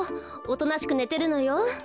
おとなしくねてるのよ。